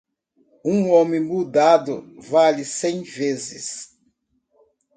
Um homem mudado vale cem vezes.